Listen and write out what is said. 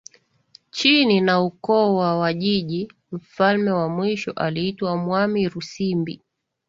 Chini na ukoo wa wajiji mfalme wa mwisho aliitwa mwami rusimbi